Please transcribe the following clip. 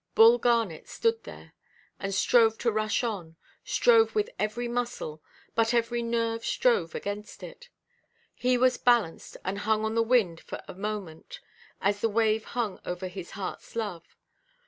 Bull Garnet stood there, and strove to rush on, strove with every muscle, but every nerve strove against it. He was balanced and hung on the wind for a moment, as the wave hung over his heartʼs love.